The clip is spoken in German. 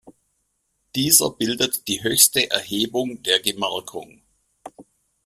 Dieser bildet die höchste Erhebung der Gemarkung.